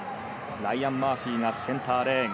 ライアン・マーフィーがセンターレーン。